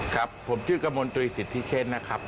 ครับผมชื่อกมนตรีสิทธิเชษนะครับ